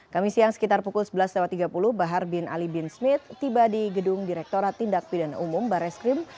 kami siang sekitar pukul sebelas tiga puluh bahar bin ali bin smith tiba di gedung direkturat tindak pidana umum barreskrim